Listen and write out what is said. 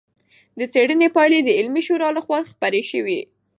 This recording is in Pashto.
د څېړنې پایلې د علمي ژورنال لخوا خپرې شوې.